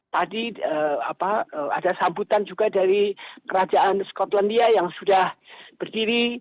tadi ada sambutan juga dari kerajaan skotlandia yang sudah berdiri